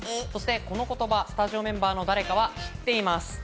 この言葉、スタジオメンバーの誰かは知っています。